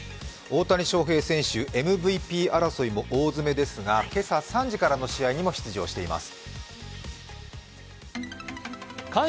大谷翔平選手、ＭＶＰ争いも大詰めですが今朝３時からの試合にも出場しています。